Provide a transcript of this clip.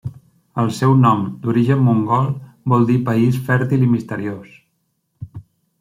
El seu nom, d'origen mongol, vol dir 'país fèrtil i misteriós'.